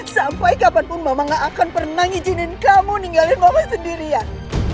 sampai kapanpun mama gak akan pernah ngizinin kamu ninggalin bapak sendirian